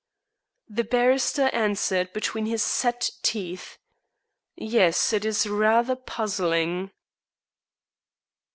The barrister answered between his set teeth: "Yes, it is rather puzzling."